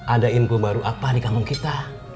ada input baru apa di kamung kita